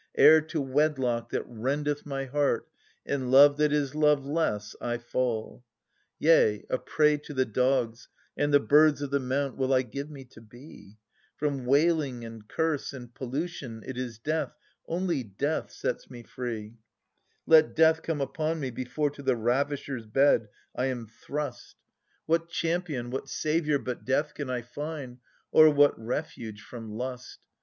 Ere to wedlock that rendeth my heart, and love that is love less, I fall ! Yea, a prey to the dogs and the birds of the mount will I give me to be, — From wailing and curse and pollution it is death, only death, sets me free : Let death come upon me before to the ravisher's bed I am thrust ; 40 THE SUPPLIANT MAIDENS. What champion, whatj saviour but death can I find, or what refuge from lust